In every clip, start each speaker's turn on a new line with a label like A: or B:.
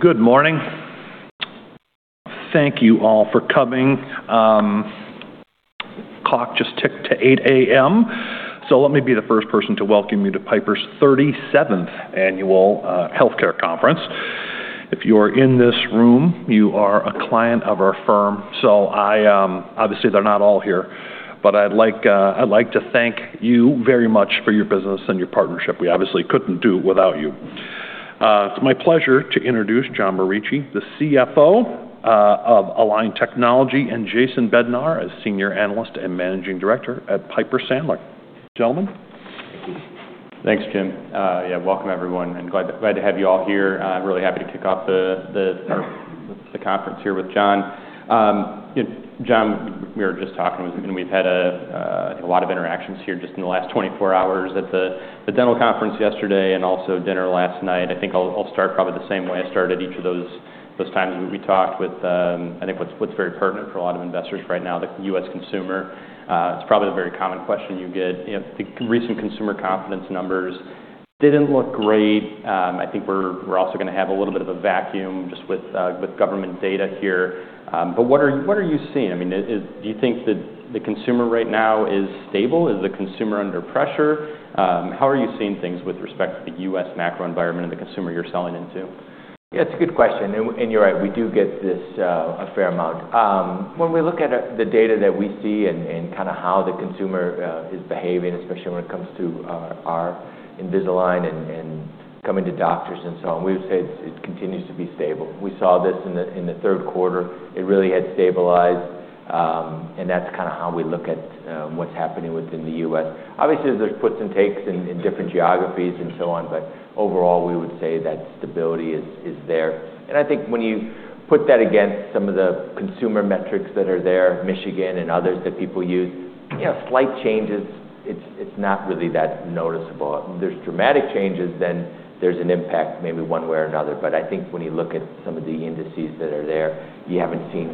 A: Good morning. Thank you all for coming. Clock just ticked to 8:00 A.M., so let me be the first person to welcome you to Piper's 37th Annual Healthcare Conference. If you're in this room, you are a client of our firm, so I, obviously they're not all here, but I'd like to thank you very much for your business and your partnership. We obviously couldn't do it without you. It's my pleasure to introduce John Morici, the CFO of Align Technology, and Jason Bednar as Senior Analyst and Managing Director at Piper Sandler. Gentlemen.
B: Thank you.
C: Thanks, Jim. Yeah, welcome everyone. I'm glad, glad to have you all here. I'm really happy to kick off the conference here with John. You know, John, we were just talking with, and we've had a lot of interactions here just in the last 24 hours at the dental conference yesterday and also dinner last night. I think I'll start probably the same way I started each of those times we talked with, I think what's very pertinent for a lot of investors right now, the U.S. consumer. It's probably a very common question you get, you know, the recent consumer confidence numbers didn't look great. I think we're also gonna have a little bit of a vacuum just with government data here. What are you seeing? I mean, is do you think that the consumer right now is stable? Is the consumer under pressure? How are you seeing things with respect to the US macro environment and the consumer you're selling into?
B: Yeah, it's a good question. You're right. We do get this a fair amount. When we look at the data that we see and kinda how the consumer is behaving, especially when it comes to our Invisalign and coming to doctors and so on, we would say it continues to be stable. We saw this in the third quarter. It really had stabilized, and that's kinda how we look at what's happening within the U.S. Obviously, there's puts and takes in different geographies and so on, but overall, we would say that stability is there. I think when you put that against some of the consumer metrics that are there, Michigan and others that people use, you know, slight changes, it's not really that noticeable. There's dramatic changes, then there's an impact maybe one way or another. I think when you look at some of the indices that are there, you have not seen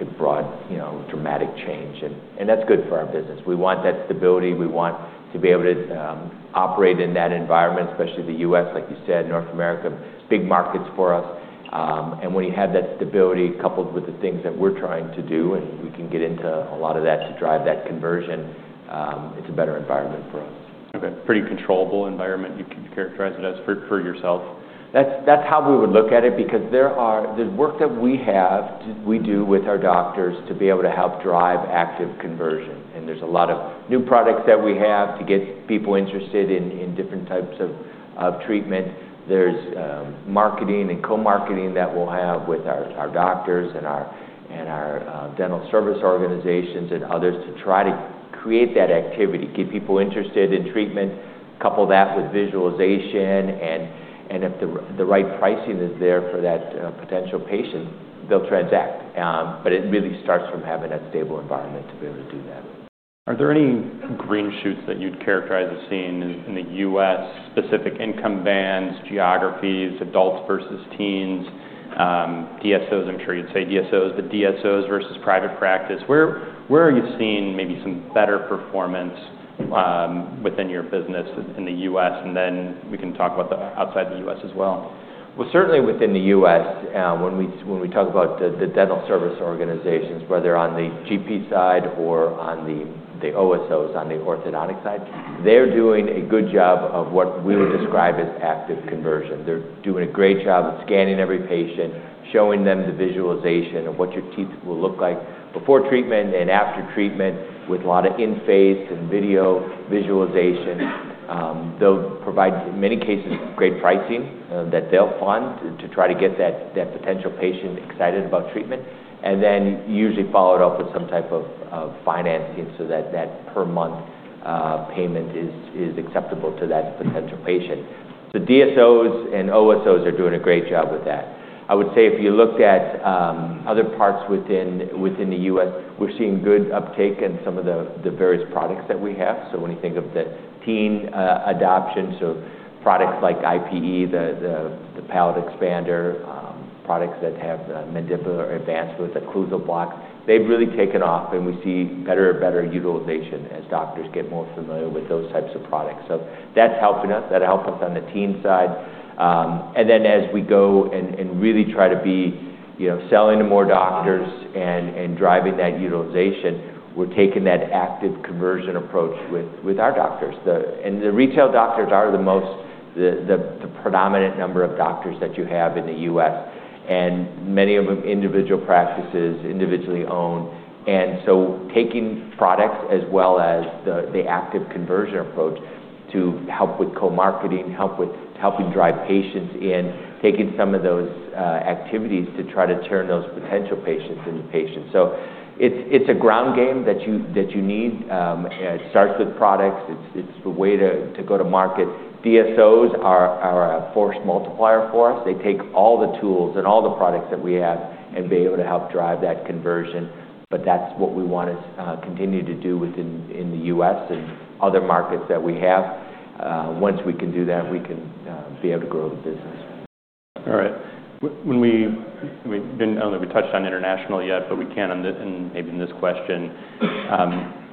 B: a broad, you know, dramatic change. That is good for our business. We want that stability. We want to be able to operate in that environment, especially the U.S., like you said, North America, big markets for us. When you have that stability coupled with the things that we are trying to do, and we can get into a lot of that to drive that conversion, it is a better environment for us.
C: Okay. Pretty controllable environment, you can characterize it as for, for yourself.
B: That's how we would look at it because there is work that we have to do with our doctors to be able to help drive active conversion. And there are a lot of new products that we have to get people interested in, in different types of treatment. There is marketing and co-marketing that we will have with our doctors and our dental service organizations and others to try to create that activity, get people interested in treatment, couple that with visualization, and if the right pricing is there for that potential patient, they will transact. It really starts from having that stable environment to be able to do that.
C: Are there any green shoots that you'd characterize as seen in, in the U.S., specific income bands, geographies, adults versus teens, DSOs? I'm sure you'd say DSOs, but DSOs versus private practice. Where are you seeing maybe some better performance, within your business in the U.S.? Then we can talk about the outside the U.S. as well.
B: Certainly within the U.S., when we talk about the dental service organizations, whether on the GP side or on the OSOs, on the orthodontic side, they're doing a good job of what we would describe as active conversion. They're doing a great job of scanning every patient, showing them the visualization of what your teeth will look like before treatment and after treatment with a lot of in-face and video visualization. They'll provide, in many cases, great pricing, that they'll fund to try to get that potential patient excited about treatment. Usually follow it up with some type of financing so that that per month payment is acceptable to that potential patient. The DSOs and OSOs are doing a great job with that. I would say if you looked at other parts within the U.S., we're seeing good uptake in some of the various products that we have. When you think of the teen adoption, so products like IPE, the palatal expander, products that have mandibular advancement with occlusal blocks, they've really taken off, and we see better and better utilization as doctors get more familiar with those types of products. That's helping us. That'll help us on the teen side. As we go and really try to be, you know, selling to more doctors and driving that utilization, we're taking that active conversion approach with our doctors. The retail doctors are the most, the predominant number of doctors that you have in the U.S., and many of them individual practices, individually owned. Taking products as well as the active conversion approach to help with co-marketing, help with helping drive patients in, taking some of those activities to try to turn those potential patients into patients. It is a ground game that you need. It starts with products. It is the way to go to market. DSOs are a force multiplier for us. They take all the tools and all the products that we have and be able to help drive that conversion. That is what we want to continue to do within the U.S. and other markets that we have. Once we can do that, we can be able to grow the business.
C: All right. When we, we didn't know that we touched on international yet, but we can on the, in maybe in this question.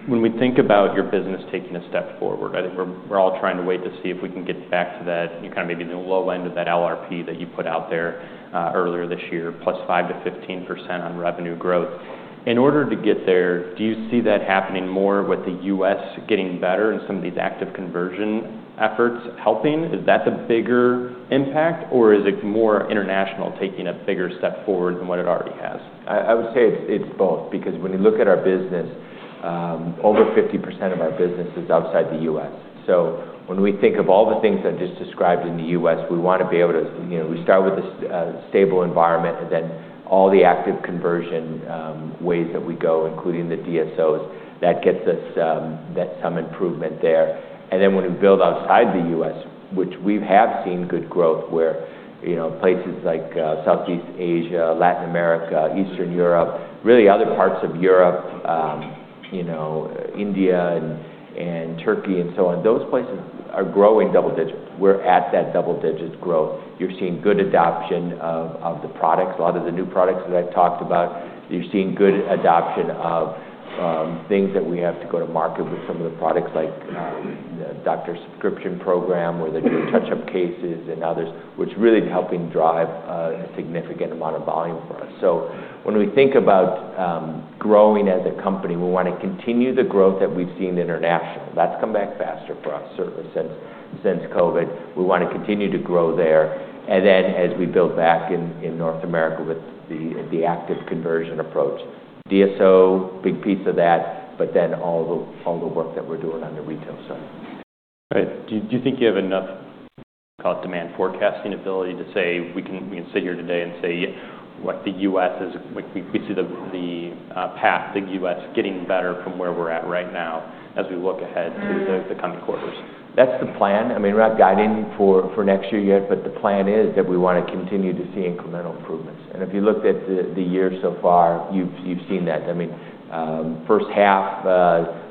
C: When we think about your business taking a step forward, I think we're, we're all trying to wait to see if we can get back to that, you know, kinda maybe the low end of that LRP that you put out there, earlier this year, plus 5%-15% on revenue growth. In order to get there, do you see that happening more with the US getting better in some of these active conversion efforts helping? Is that the bigger impact, or is it more international taking a bigger step forward than what it already has?
B: I would say it's both because when you look at our business, over 50% of our business is outside the U.S. When we think of all the things that I just described in the U.S., we want to be able to, you know, we start with a stable environment and then all the active conversion, ways that we go, including the DSOs, that gets us some improvement there. When we build outside the U.S., which we have seen good growth where, you know, places like Southeast Asia, Latin America, Eastern Europe, really other parts of Europe, you know, India and Turkey and so on, those places are growing double digits. We're at that double-digit growth. You're seeing good adoption of the products, a lot of the new products that I've talked about. You're seeing good adoption of things that we have to go to market with, some of the products like the doctor's subscription program where they're doing touch-up cases and others, which really helping drive a significant amount of volume for us. When we think about growing as a company, we wanna continue the growth that we've seen international. That's come back faster for us, certainly, since COVID. We wanna continue to grow there. As we build back in North America with the active conversion approach, DSO, big piece of that, but then all the work that we're doing on the retail side.
C: All right. Do you think you have enough, call it demand forecasting ability to say we can, we can sit here today and say what the U.S. is, we see the path, the U.S. getting better from where we're at right now as we look ahead to the coming quarters?
B: That's the plan. I mean, we're not guiding for next year yet, but the plan is that we wanna continue to see incremental improvements. And if you looked at the year so far, you've seen that. I mean, first half,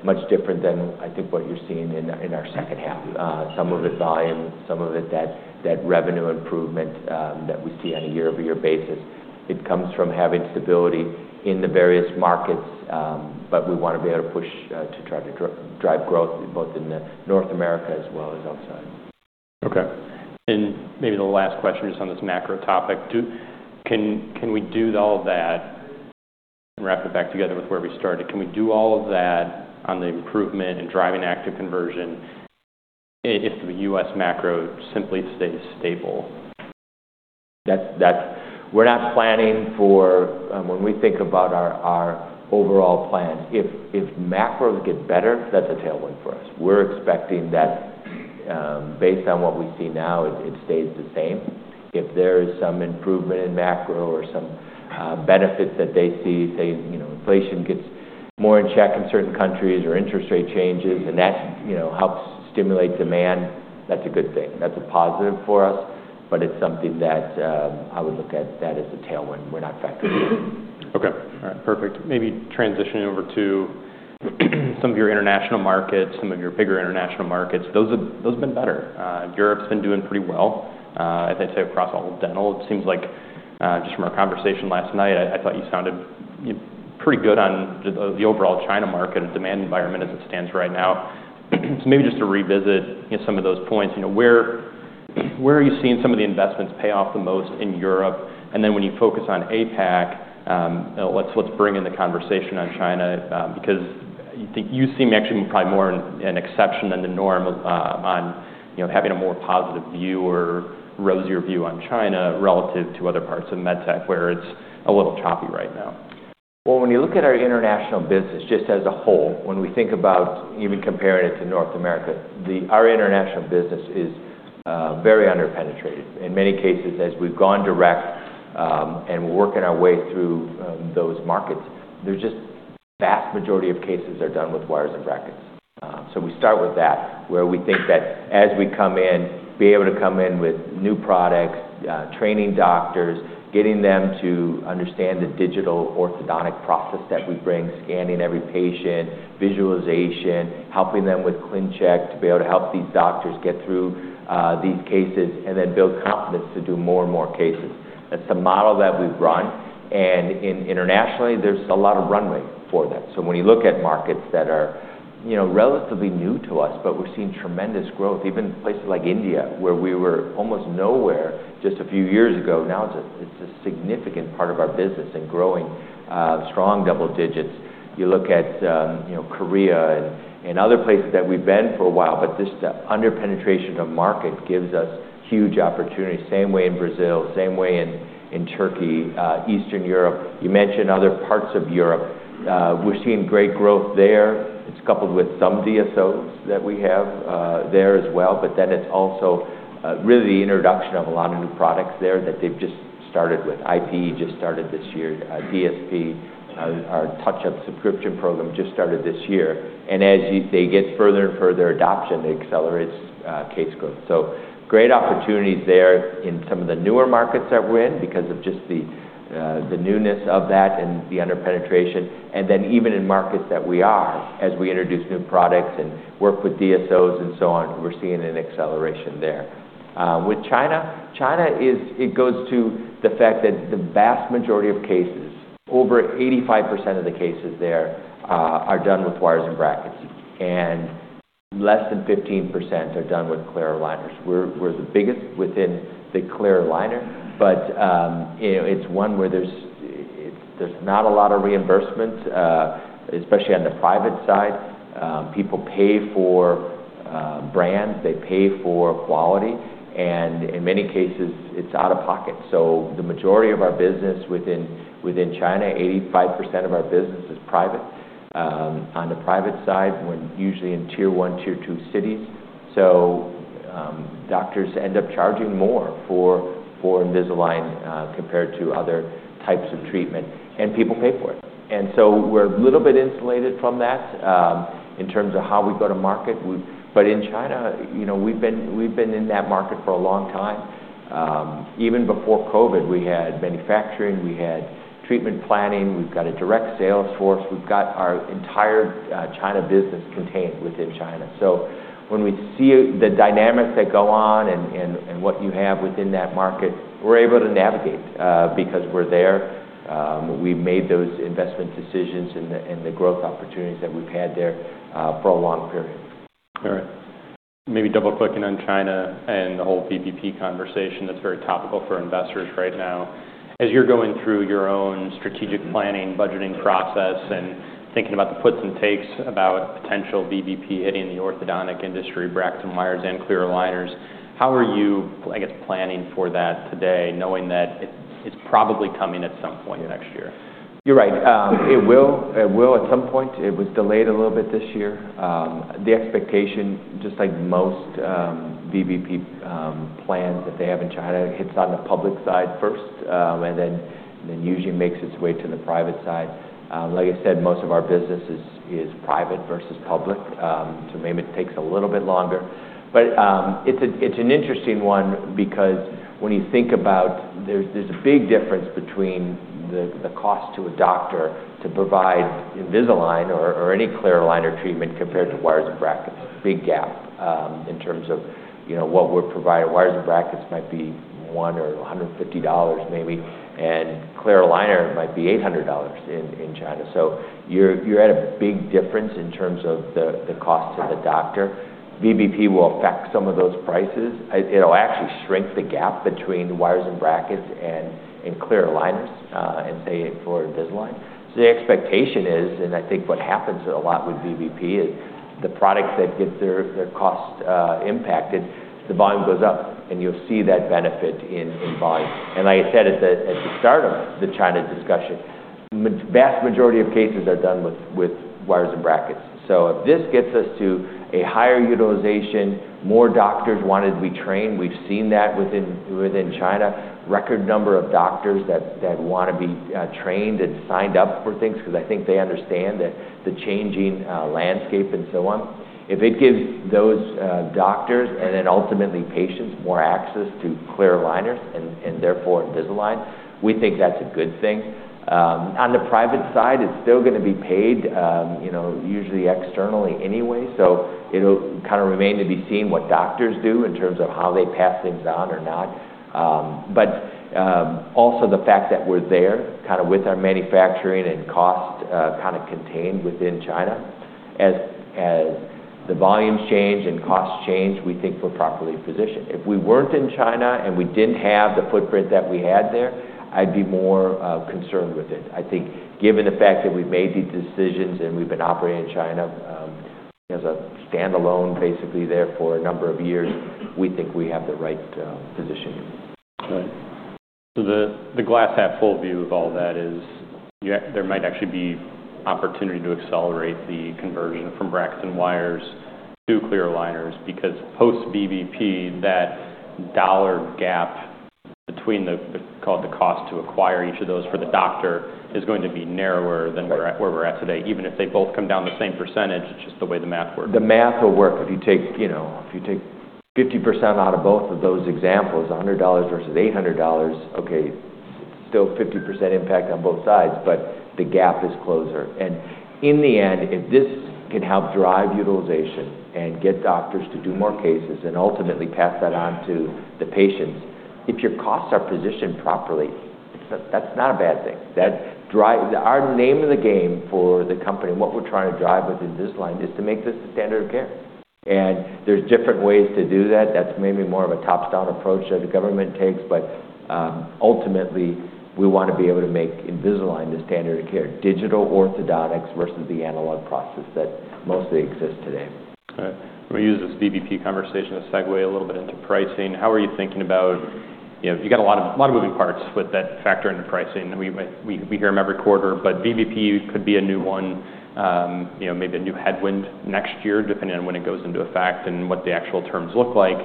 B: much different than I think what you're seeing in our second half. Some of it volume, some of it that revenue improvement, that we see on a year-over-year basis. It comes from having stability in the various markets, but we wanna be able to push, to try to drive growth both in North America as well as outside.
C: Okay. Maybe the last question just on this macro topic. Can we do all of that and wrap it back together with where we started? Can we do all of that on the improvement and driving active conversion if the U.S. macro simply stays stable?
B: That's, that's we're not planning for. When we think about our, our overall plan, if macros get better, that's a tailwind for us. We're expecting that, based on what we see now, it stays the same. If there is some improvement in macro or some benefit that they see, say, you know, inflation gets more in check in certain countries or interest rate changes, and that, you know, helps stimulate demand, that's a good thing. That's a positive for us, but it's something that I would look at as a tailwind. We're not factoring it in.
C: Okay. All right. Perfect. Maybe transitioning over to some of your international markets, some of your bigger international markets. Those have been better. Europe's been doing pretty well. As I say, across all dental, it seems like, just from our conversation last night, I thought you sounded, you know, pretty good on the overall China market and demand environment as it stands right now. Maybe just to revisit, you know, some of those points, where are you seeing some of the investments pay off the most in Europe? When you focus on APAC, let's bring in the conversation on China, because you seem actually probably more an exception than the norm, on, you know, having a more positive view or rosier view on China relative to other parts of MedTech where it's a little choppy right now.
B: When you look at our international business just as a whole, when we think about even comparing it to North America, our international business is very underpenetrated. In many cases, as we've gone direct, and we're working our way through those markets, the vast majority of cases are done with wires and brackets. We start with that where we think that as we come in, be able to come in with new products, training doctors, getting them to understand the digital orthodontic process that we bring, scanning every patient, visualization, helping them with ClinCheck to be able to help these doctors get through these cases, and then build confidence to do more and more cases. That's a model that we've run. Internationally, there's a lot of runway for that. When you look at markets that are, you know, relatively new to us, but we're seeing tremendous growth, even places like India where we were almost nowhere just a few years ago, now it's a, it's a significant part of our business and growing, strong double digits. You look at, you know, Korea and other places that we've been for a while, but just the underpenetration of market gives us huge opportunity. Same way in Brazil, same way in Turkey, Eastern Europe. You mentioned other parts of Europe. We're seeing great growth there. It's coupled with some DSOs that we have there as well. Then it's also really the introduction of a lot of new products there that they've just started with. IPE just started this year. DSP, our touch-up subscription program, just started this year. As you get further and further adoption, it accelerates case growth. Great opportunities are there in some of the newer markets that we're in because of just the newness of that and the underpenetration. Even in markets that we are, as we introduce new products and work with DSOs and so on, we're seeing an acceleration there. With China, it goes to the fact that the vast majority of cases, over 85% of the cases there, are done with wires and brackets, and less than 15% are done with clear aligners. We're the biggest within the clear aligner, but, you know, it's one where there's not a lot of reimbursement, especially on the private side. People pay for brands. They pay for quality. And in many cases, it's out of pocket. The majority of our business within China, 85% of our business is private. On the private side, we're usually in tier one, tier two cities. Doctors end up charging more for Invisalign, compared to other types of treatment, and people pay for it. We're a little bit insulated from that, in terms of how we go to market. In China, you know, we've been in that market for a long time. Even before COVID, we had manufacturing, we had treatment planning, we've got a direct sales force, we've got our entire China business contained within China. When we see the dynamics that go on and what you have within that market, we're able to navigate, because we're there. We've made those investment decisions and the growth opportunities that we've had there, for a long period.
C: All right. Maybe double-clicking on China and the whole VBP conversation that's very topical for investors right now. As you're going through your own strategic planning, budgeting process, and thinking about the puts and takes about potential VBP hitting the orthodontic industry, brackets and wires and clear aligners, how are you, I guess, planning for that today, knowing that it's, it's probably coming at some point next year?
B: You're right. It will, it will at some point. It was delayed a little bit this year. The expectation, just like most VBP plans that they have in China, it hits on the public side first, and then, then usually makes its way to the private side. Like I said, most of our business is private versus public, so maybe it takes a little bit longer. It's an interesting one because when you think about it, there's a big difference between the cost to a doctor to provide Invisalign or any clear aligner treatment compared to wires and brackets. Big gap, in terms of, you know, what we're providing. Wires and brackets might be $100 or $150 maybe, and clear aligner might be $800 in China. You're at a big difference in terms of the cost to the doctor. VBP will affect some of those prices. It'll actually shrink the gap between wires and brackets and clear aligners, and say for Invisalign. The expectation is, and I think what happens a lot with VBP is the product that gets their cost impacted, the volume goes up, and you'll see that benefit in volume. Like I said at the start of the China discussion, the vast majority of cases are done with wires and brackets. If this gets us to a higher utilization, more doctors wanting to be trained, we've seen that within China, record number of doctors that want to be trained and signed up for things 'cause I think they understand the changing landscape and so on. If it gives those doctors and then ultimately patients more access to clear aligners and, and therefore Invisalign, we think that's a good thing. On the private side, it's still gonna be paid, you know, usually externally anyway. So it'll kinda remain to be seen what doctors do in terms of how they pass things on or not. Also the fact that we're there kinda with our manufacturing and cost, kinda contained within China, as the volumes change and costs change, we think we're properly positioned. If we weren't in China and we didn't have the footprint that we had there, I'd be more concerned with it. I think given the fact that we've made these decisions and we've been operating in China, as a standalone basically there for a number of years, we think we have the right position.
C: All right. The glass half full view of all that is there might actually be opportunity to accelerate the conversion from wires and brackets to clear aligners because post-VBP, that dollar gap between the, call it the cost to acquire each of those for the doctor is going to be narrower than where we're at today, even if they both come down the same percentage. It's just the way the math works.
B: The math will work if you take, you know, if you take 50% out of both of those examples, $100 versus $800, okay, still 50% impact on both sides, but the gap is closer. In the end, if this can help drive utilization and get doctors to do more cases and ultimately pass that on to the patients, if your costs are positioned properly, that's not a bad thing. That drives our name of the game for the company and what we're trying to drive with Invisalign is to make this the standard of care. There are different ways to do that. That's maybe more of a top-down approach that the government takes, but ultimately we wanna be able to make Invisalign the standard of care, digital orthodontics versus the analog process that mostly exists today.
C: All right. We're gonna use this VBP conversation to segue a little bit into pricing. How are you thinking about, you know, you've got a lot of, a lot of moving parts that factor into pricing. We hear them every quarter, but DBP could be a new one, you know, maybe a new headwind next year depending on when it goes into effect and what the actual terms look like.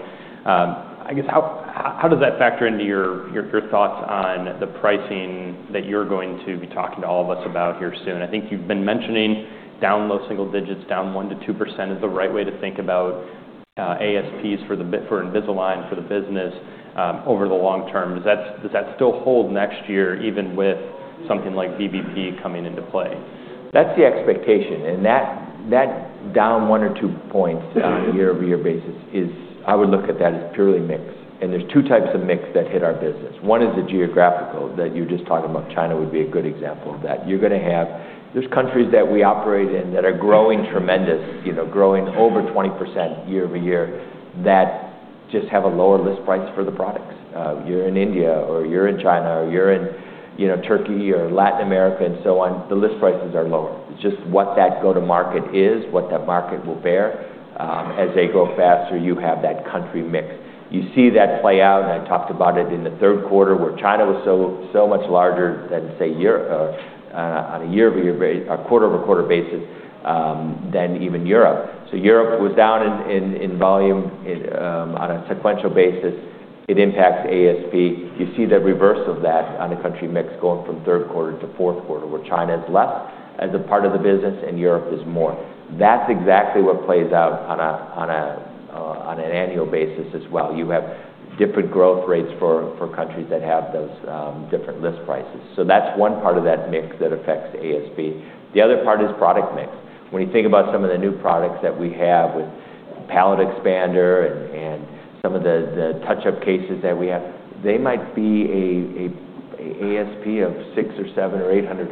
C: I guess how does that factor into your thoughts on the pricing that you're going to be talking to all of us about here soon? I think you've been mentioning down low single digits, down 1%-2% is the right way to think about ASPs for Invisalign for the business over the long term. Does that still hold next year even with something like VBP coming into play?
B: That's the expectation. That down one or two points on a year-over-year basis is, I would look at that as purely mix. There's two types of mix that hit our business. One is the geographical that you're just talking about. China would be a good example of that. You're gonna have, there's countries that we operate in that are growing tremendous, you know, growing over 20% year-over-year that just have a lower list price for the products. You're in India or you're in China or you're in, you know, Turkey or Latin America and so on, the list prices are lower. It's just what that go-to-market is, what that market will bear. As they grow faster, you have that country mix. You see that play out, and I talked about it in the third quarter where China was so, so much larger than, say, Europe, on a year-over-year basis, a quarter-over-quarter basis, than even Europe. Europe was down in volume on a sequential basis. It impacts ASP. You see the reverse of that on a country mix going from third quarter to fourth quarter where China is less as a part of the business and Europe is more. That's exactly what plays out on an annual basis as well. You have different growth rates for countries that have those different list prices. So that's one part of that mix that affects ASP. The other part is product mix. When you think about some of the new products that we have with palatal expander and, and some of the, the touch-up cases that we have, they might be a ASP of 6 or 7 or $800.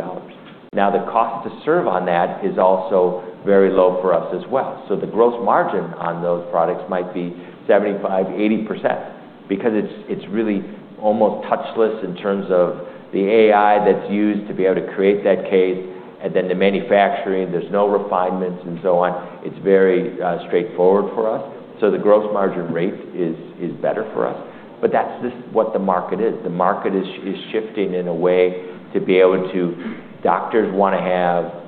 B: Now, the cost to serve on that is also very low for us as well. The gross margin on those products might be 75%-80% because it's, it's really almost touchless in terms of the AI that's used to be able to create that case. The manufacturing, there's no refinements and so on. It's very straightforward for us. The gross margin rate is, is better for us. That is just what the market is. The market is, is shifting in a way to be able to, doctors want to have,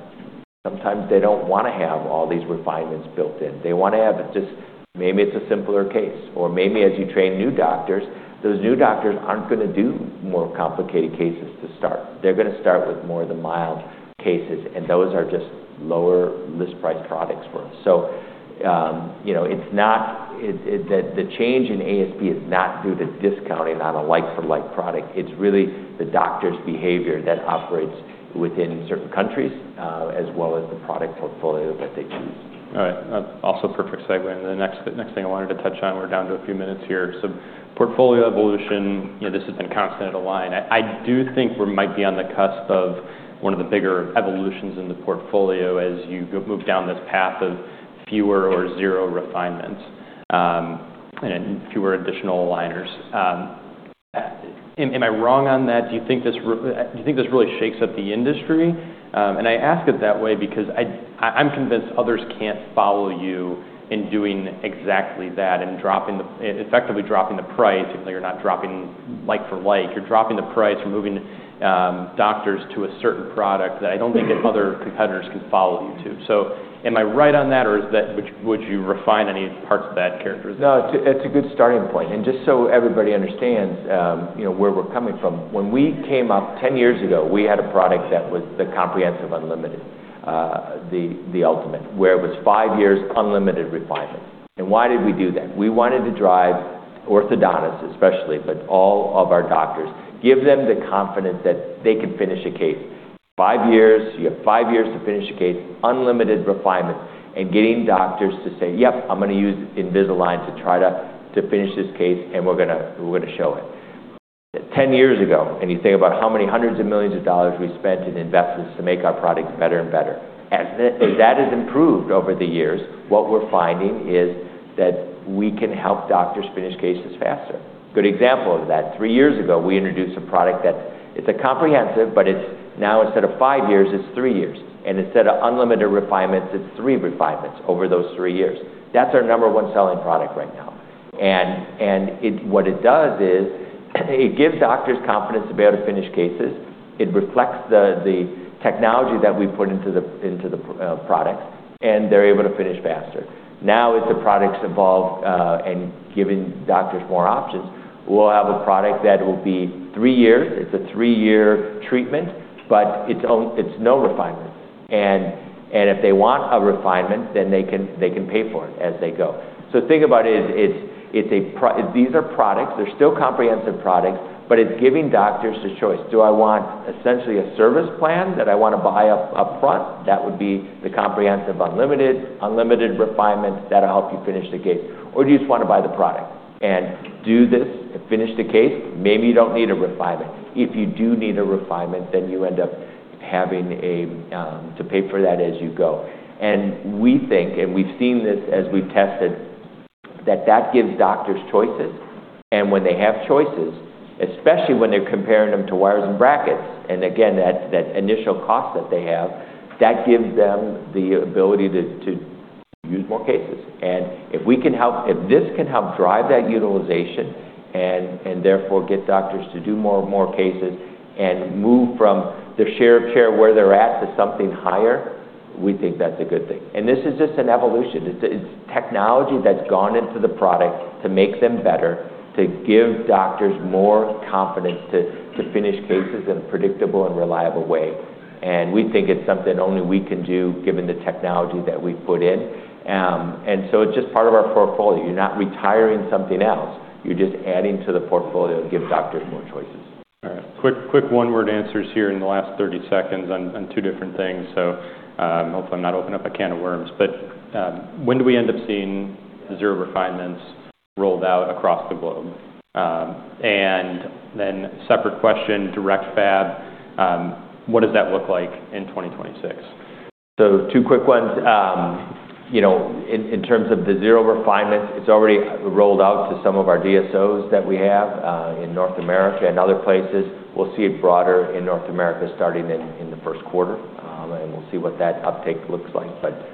B: sometimes they do not want to have all these refinements built in. They wanna have it just, maybe it's a simpler case. Or maybe as you train new doctors, those new doctors aren't gonna do more complicated cases to start. They're gonna start with more of the mild cases, and those are just lower list price products for us. You know, it's not, it, it, that the change in ASP is not due to discounting on a like-for-like product. It's really the doctor's behavior that operates within certain countries, as well as the product portfolio that they choose.
C: All right. That's also a perfect segue. The next thing I wanted to touch on, we're down to a few minutes here. Portfolio evolution, you know, this has been constantly aligned. I do think we might be on the cusp of one of the bigger evolutions in the portfolio as you move down this path of fewer or zero refinements, and fewer additional aligners. Am I wrong on that? Do you think this really shakes up the industry? I ask it that way because I'm convinced others can't follow you in doing exactly that and dropping the, effectively dropping the price if you're not dropping like-for-like. You're dropping the price or moving doctors to a certain product that I don't think that other competitors can follow you to. Am I right on that or is that, would you, would you refine any parts of that characteristic?
B: No, it's a good starting point. And just so everybody understands, you know, where we're coming from, when we came up 10 years ago, we had a product that was the comprehensive unlimited, the ultimate where it was five years unlimited refinement. And why did we do that? We wanted to drive orthodontists especially, but all of our doctors, give them the confidence that they can finish a case. Five years, you have five years to finish a case, unlimited refinement, and getting doctors to say, "Yep, I'm gonna use Invisalign to try to, to finish this case and we're gonna, we're gonna show it." 10 years ago, and you think about how many hundreds of millions of dollars we spent in investments to make our products better and better. As that has improved over the years, what we're finding is that we can help doctors finish cases faster. Good example of that. Three years ago, we introduced a product that it's a comprehensive, but it's now instead of five years, it's three years. And instead of unlimited refinements, it's three refinements over those three years. That's our number one selling product right now. It, what it does is it gives doctors confidence to be able to finish cases. It reflects the technology that we put into the products, and they're able to finish faster. Now, as the products evolve, and giving doctors more options, we'll have a product that will be three years. It's a three-year treatment, but it's own, it's no refinement. If they want a refinement, then they can pay for it as they go. Think about it, it's, it's a pro, these are products. They're still comprehensive products, but it's giving doctors the choice. Do I want essentially a service plan that I wanna buy up, upfront? That would be the comprehensive unlimited, unlimited refinements that'll help you finish the case. Or do you just wanna buy the product and do this and finish the case? Maybe you don't need a refinement. If you do need a refinement, then you end up having to pay for that as you go. We think, and we've seen this as we've tested, that that gives doctors choices. When they have choices, especially when they're comparing them to wires and brackets, and again, that initial cost that they have, that gives them the ability to use more cases. If this can help drive that utilization and therefore get doctors to do more cases and move from the share of care where they're at to something higher, we think that's a good thing. This is just an evolution. It's technology that's gone into the product to make them better, to give doctors more confidence to finish cases in a predictable and reliable way. We think it's something only we can do given the technology that we've put in. It's just part of our portfolio. You're not retiring something else. You're just adding to the portfolio and give doctors more choices.
C: All right. Quick, quick one-word answers here in the last 30 seconds on two different things. Hopefully I'm not opening up a can of worms, but when do we end up seeing zero refinements rolled out across the globe? And then separate question, direct fab, what does that look like in 2026?
B: Two quick ones. You know, in terms of the zero refinements, it's already rolled out to some of our DSOs that we have in North America and other places. We'll see it broader in North America starting in the first quarter. We'll see what that uptake looks like.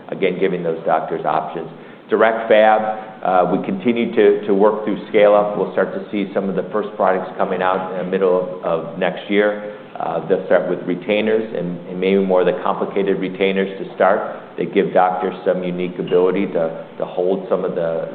B: Again, giving those doctors options. Direct fab, we continue to work through scale-up. We'll start to see some of the first products coming out in the middle of next year. They'll start with retainers and maybe more of the complicated retainers to start that give doctors some unique ability to hold some of the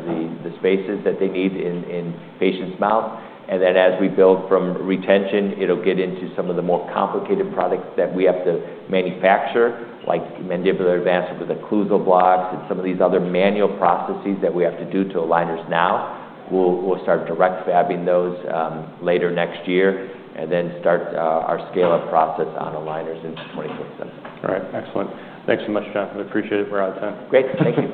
B: spaces that they need in patients' mouth. As we build from retention, it'll get into some of the more complicated products that we have to manufacture, like mandibular advancement with occlusal blocks and some of these other manual processes that we have to do to aligners now. We'll start direct fabbing those later next year and then start our scale-up process on aligners in 2027.
C: All right. Excellent. Thanks so much, John. I appreciate it. We're out of time.
B: Great. Thank you.